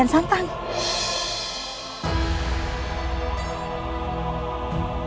aku siap ngebantu